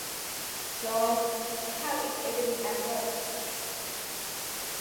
So, how is everything at work?